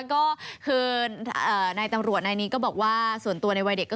คือเนยตำรวจเนี่ยก็บอกว่าส่วนตัวในวัยเด็ก